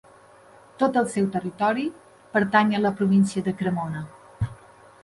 Tot el seu territori pertany a la província de Cremona.